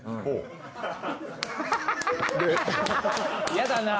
嫌だなぁ。